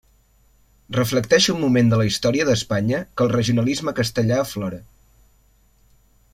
Reflecteix un moment de la història d'Espanya que el regionalisme castellà aflora.